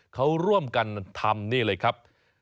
เขาร่วมกันทำนี่เลยครับ